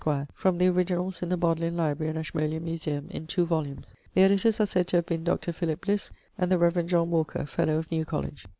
_ from the originals in the Bodleian Library and Ashmolean Museum: in two volumes.' The editors are said to have been Dr. Philip Bliss and the Rev. John Walker, Fellow of New College.